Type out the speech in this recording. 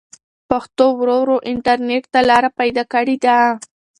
پښتو ورو ورو انټرنټ ته لاره پيدا کړې ده.